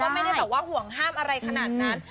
เขาก็ไม่ได้บอกว่าห่วงห้ามอะไรขนาดนั้น